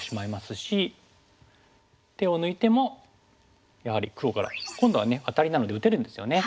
手を抜いてもやはり黒から今度はアタリなので打てるんですよね。